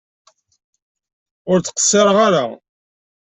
Ur ttqeṣṣireɣ ara!